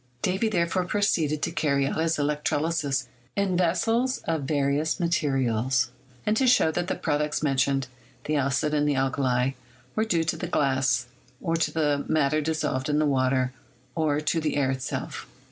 Davy therefore proceeded to carry out this electrolysis in vessels of various mate * rials, and showed that the products mentioned, the acid and alkali, were due to the glass, or to the matter dissolved in the water, or to the air itself.